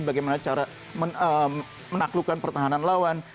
bagaimana cara menaklukkan pertahanan lawan